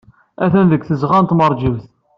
Attan deg tzeɣɣa n tmeṛjiwt.